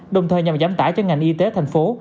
đồng thời nhằm giảm tải cho ngành y tế thành phố